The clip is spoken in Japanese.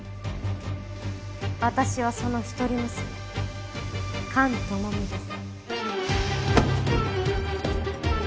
私はその一人娘菅朋美です。